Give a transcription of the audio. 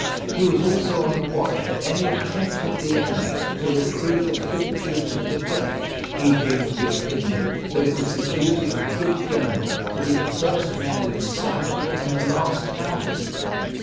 He was also on the watch for any attempt of the enemy to retrieve the fortunes of the day; he being of the opinion that it was the duty of a good general to be the first man in the saddle and the last out of it.